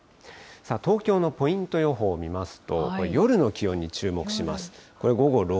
東京のポイント予報を見ますと、夜の気温に注目します。